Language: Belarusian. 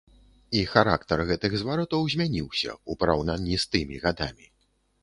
І характар гэтых зваротаў змяніўся, у параўнанні з тымі гадамі.